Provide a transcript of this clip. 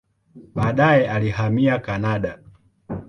Baadaye alihamia Kanada.